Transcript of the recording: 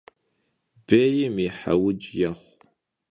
Bêym yi he vudz yêxhu.